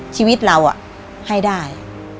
ชีวิตเราให้ได้